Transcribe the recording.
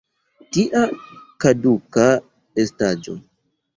Tia kaduka estaĵo!